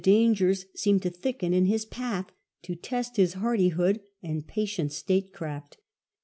dangers seenued to thicken in his path, to test his hardi hood and patient statecraft.